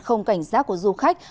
không cảnh giác của du khách